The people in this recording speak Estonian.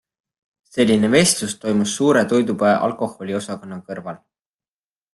Selline vestlus toimus suure toidupoe alkoholiosakonna kõrval.